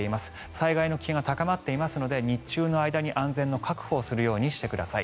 災害の危険が高まっていますので日中の間に安全の確保をするようにしてください。